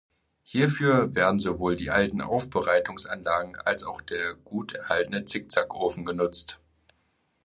Hierfür werden sowohl die alten Aufbereitungsanlagen als auch der gut erhaltene Zick-Zack-Ofen genutzt.